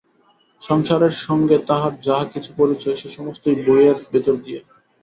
সংসারের সঙ্গে তাহার যাহা-কিছু পরিচয় সে-সমস্তই বইয়ের ভিতর দিয়া।